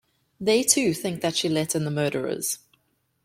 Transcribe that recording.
They, too, think that she let in the murderers.